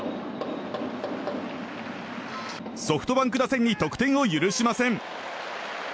ソフトバンク打線に得点を許しません。